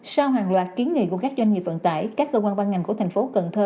sau hàng loạt kiến nghị của các doanh nghiệp vận tải các cơ quan ban ngành của thành phố cần thơ